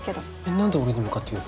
何で俺に向かって言うの？